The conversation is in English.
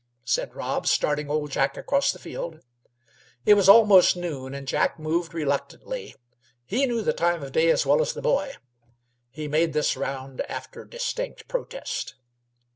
"Chk!" said Rob, starting old Jack across the field. It was almost noon, and Jack moved reluctantly. He knew the time of day as well as the boy. He made this round after distinct protest.